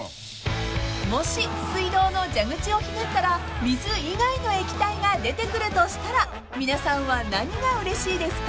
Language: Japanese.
［もし水道の蛇口をひねったら水以外の液体が出てくるとしたら皆さんは何がうれしいですか？］